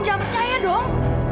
jangan percaya dong